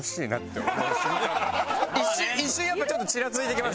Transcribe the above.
一瞬一瞬やっぱちょっとチラついてきます